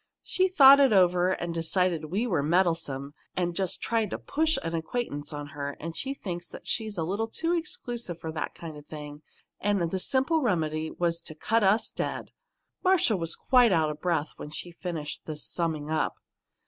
She's thought it over and decided that we were meddlesome and just trying to push an acquaintance with her, and she thinks she's a little too exclusive for that kind of thing, and the simple remedy was to 'cut us dead'!" Marcia was quite out of breath when she finished this summing up.